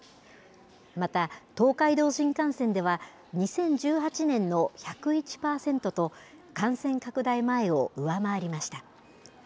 また、東海道新幹線では、２０１８年の１０１％と、感染拡大前を上回りました。